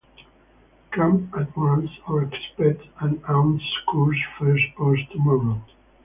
Come at once or expect an aunt's curse first post tomorrow.